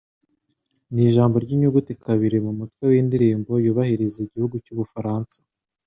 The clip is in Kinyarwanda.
Nijambo ry'inyuguti kabiri mu mutwe w'indirimbo yubahiriza igihugu cy'Ubufaransa